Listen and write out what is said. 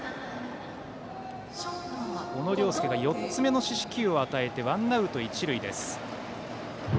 小野涼介が４つ目の四死球を与えてワンアウト、一塁です。